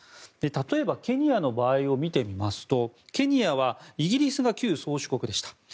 例えばケニアの場合を見てみますとケニアはイギリスが旧宗主国でした。